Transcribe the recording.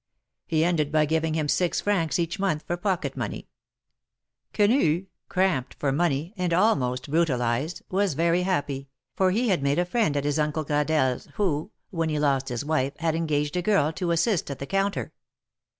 ^^ He ended by giving him six francs each month for pocket money. Quenu, cramped for money, and almost brutalized, was very happy, for he had made a friend at his Uncle Gradelle's, who, when he lost his wife, had engaged a girl to assist at the counter.